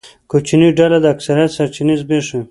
کوچنۍ ډله د اکثریت سرچینې زبېښي.